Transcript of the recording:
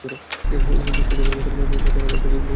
হুবহু শ্রী দেবীর মতো সাথ্যীয়া নামে একটা মেয়ের সাথে দেখা হয়েছিল।